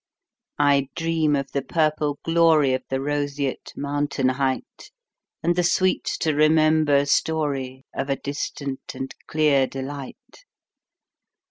I dream of the purple gloryOf the roseate mountain heightAnd the sweet to remember storyOf a distant and clear delight.